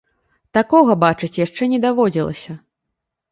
Такога бачыць яшчэ не даводзілася.